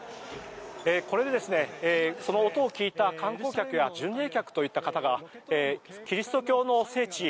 これでその音を聞いた観光客や巡礼客といった方がキリスト教の聖地